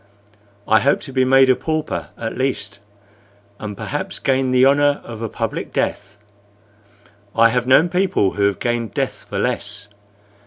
"I hope to be made a pauper at least, and perhaps gain the honor of a public death. I have known people who have gained death for less.